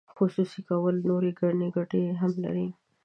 خصوصي کول نورې ګڼې ګټې هم لري.